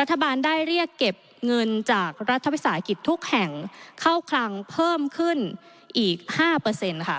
รัฐบาลได้เรียกเก็บเงินจากรัฐวิสาหกิจทุกแห่งเข้าคลังเพิ่มขึ้นอีก๕ค่ะ